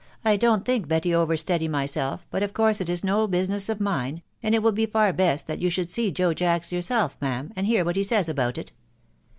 . I don't think Betty over steady myself, but of course it is no business of mine, and it will be far best that you should see Joe Jacks yourself, ma'am, and hear what he says about it."